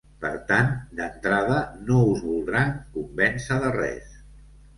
Per tant, d’entrada no us voldran convèncer de res.